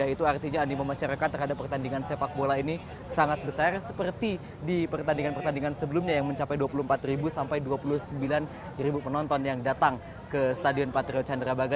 itu artinya animo masyarakat terhadap pertandingan sepak bola ini sangat besar seperti di pertandingan pertandingan sebelumnya yang mencapai dua puluh empat sampai dua puluh sembilan penonton yang datang ke stadion patriot candrabaga